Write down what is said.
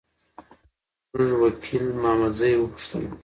موږ وکیل محمدزی وپوښتله.